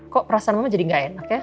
kok perasaan mama jadi nggak enak ya